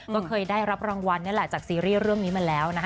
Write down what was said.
ก็เคยได้รับรางวัลนี่แหละจากซีรีส์เรื่องนี้มาแล้วนะคะ